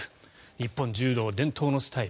日本柔道伝統のスタイル